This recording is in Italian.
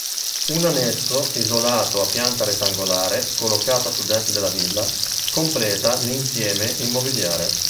Un annesso isolato a pianta rettangolare, collocato a sud-est della villa, completa l’insieme immobiliare.